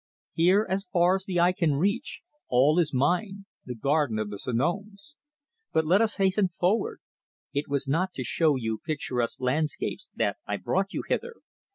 Here, as far as the eye can reach, all is mine, the garden of the Sanoms. But let us hasten forward. It was not to show you picturesque landscapes that I brought you hither.